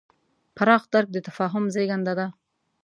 پراخ درک د تفاهم زېږنده دی.